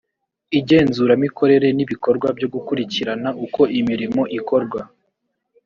igenzuramikorere ni ibikorwa byo gukurikirana uko imirimo ikorwa